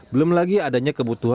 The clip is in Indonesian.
belum lagi adanya kebutuhan